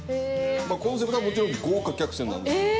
コンセプトはもちろん豪華客船なんですけど。